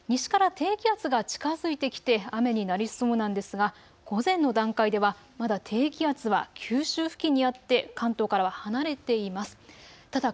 まずあすは西から低気圧が近づいてきて雨になりそうなんですが午前の段階ではまだ低気圧は九州付近ににあって関東からは離れています。